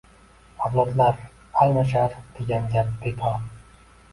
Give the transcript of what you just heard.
«Avlodlar almashar!» degan gap bekor